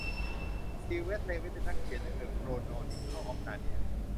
ซีเอส เลวิสเป็นนักเขียนเรื่องเดอะโคโรนิเคิลออฟนาเนีย